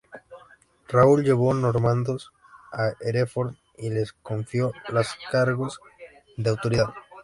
Raúl llevó normandos a Hereford, y les confió las cargos de autoridad.